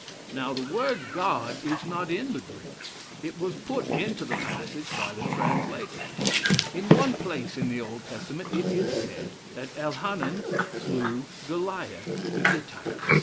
Now the word 'God' is not in the Greek; it was put into the passage by the translators. In one place in the Old Testament it is said that Elhanan slew Goliath the Gittite.